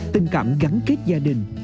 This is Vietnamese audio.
tình cảm gắn kết gia đình